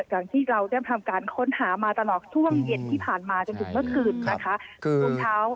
อย่างที่เราได้ทำการค้นหามาตลอดช่วงเย็นที่ผ่านมาจนถึงเมื่อคืนนะคะ